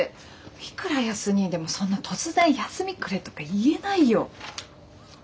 いくら康にぃでもそんな突然休みくれとか言えないよ。